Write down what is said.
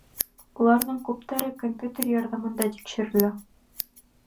Уларҙың күптәре компьютер ярҙамында тикшерелә.